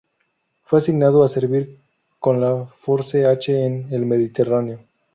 Fue asignado a servir con la Force H en el Mediterráneo.